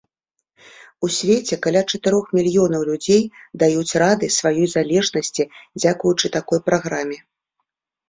У свеце каля чатырох мільёнаў людзей даюць рады сваёй залежнасці дзякуючы такой праграме.